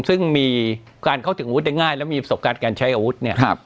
ซึ่งมีการเข้าถึงอาวุธได้ง่ายแล้วมีประสบการณ์การใช้อาวุธเนี่ย